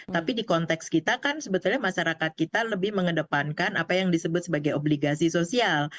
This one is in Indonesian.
tapi di konteks kita kan sebetulnya masyarakat kita lebih mengedepankan apa yang disebut sebagai obligasi sosial